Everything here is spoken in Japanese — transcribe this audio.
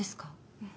うん。